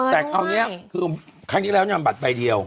แต่คราวนี้คือครั้งที่แล้วเนี่ยบัตรใบเดียว